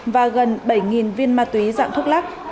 và gần bảy viên ma túy dạng thuốc lắc